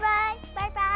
バイバイ！